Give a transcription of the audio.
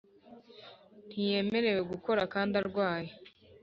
Ntiyemerewe gukora kandi arwaye